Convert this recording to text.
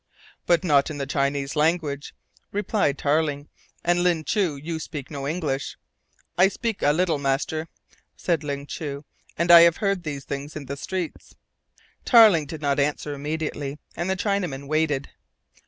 "But not in the Chinese language," replied Tarling, "and, Ling Chu, you speak no English." "I speak a little, master," said Ling Chu, "and I have heard these things in the streets." Tarling did not answer immediately, and the Chinaman waited.